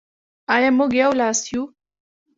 آیا موږ یو لاس یو؟